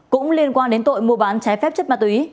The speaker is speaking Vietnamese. cũng liên quan đến tội mua bán trái phép chất ma túy